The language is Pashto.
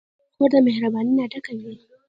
خور د مهربانۍ نه ډکه وي.